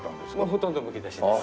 ほとんどむき出しです。